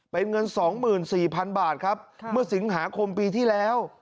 เป็นเงิน๒๔๐๐๐บาทครับเมื่อสิงหาคมปีที่แล้ว